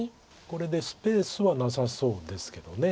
これでスペースはなさそうですけど。